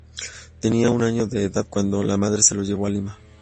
Tenía un año de edad cuando su madre se lo llevó a Lima.